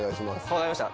わかりました。